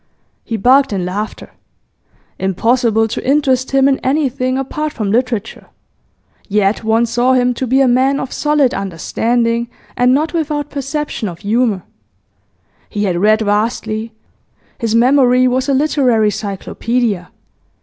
He barked in laughter. Impossible to interest him in anything apart from literature; yet one saw him to be a man of solid understanding, and not without perception of humour. He had read vastly; his memory was a literary cyclopaedia.